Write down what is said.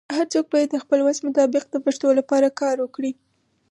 هرڅوک باید د خپل وس مطابق د پښتو لپاره کار وکړي.